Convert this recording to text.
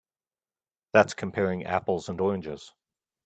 That's comparing apples and oranges.